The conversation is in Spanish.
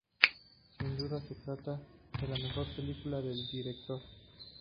Sin duda, se trata de la mejor película del director.